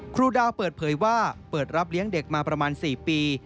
ครูดาวเปิดเผยว่าเปิดรับเลี้ยงเด็กมาประมาณ๔ปี